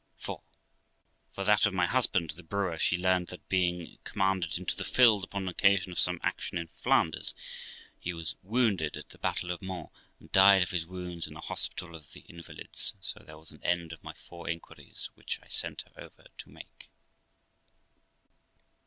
IV. For that of my husband, the brewer, she learned, that, being commanded into the field upon an occasion of some action in Flanders, he was wounded at the battle of Mons, and died of his wounds in the Hospital of the Invalids 5 so there was an end of my four inquiries, which I sent her over to make.